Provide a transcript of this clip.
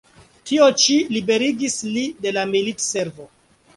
Tio ĉi liberigis li de la militservo.